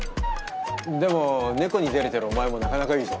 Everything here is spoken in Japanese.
でも猫にデレてるお前もなかなかいいぞ。